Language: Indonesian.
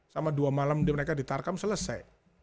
sama dua malam di mereka di talk up selesai